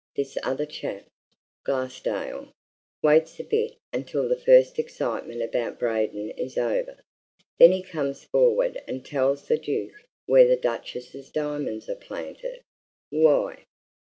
This other chap, Glassdale, waits a bit until the first excitement about Braden is over, then he comes forward and tells the Duke where the Duchess's diamonds are planted. Why?